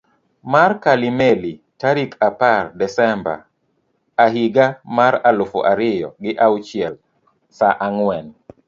mar Kalimeli tarik apar desemba ahiga mar aluf ariyo gi auchiel sa ang'wen